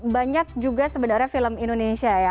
banyak juga sebenarnya film indonesia ya